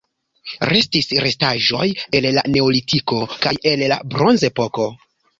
Restis restaĵoj el la neolitiko kaj el la bronzepoko.